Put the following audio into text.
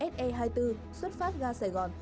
se hai mươi bốn xuất phát ra sài gòn